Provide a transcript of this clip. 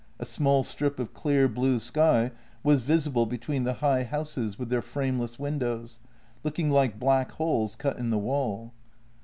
A small strip of clear, blue sky was visible between the high houses with their frameless windows, looking like black holes cut in the wall.